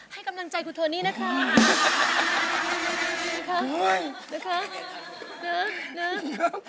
ให้กำลังใจคุณโทนี่นะคะ